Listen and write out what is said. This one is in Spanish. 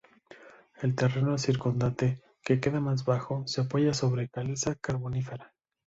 El terreno circundante, que queda más abajo, se apoya sobre caliza carbonífera.